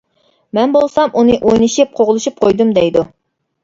مەن بولسام، ئۇنى ئوينىشىپ قوغلىشىپ قويدۇم، دەيدۇ.